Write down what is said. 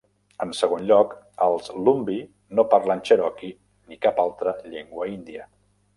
En segon lloc, els Lumbee no parlen cherokee ni cap altra llengua índia.